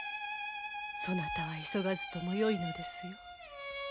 そなたは急がずともよいのですよ。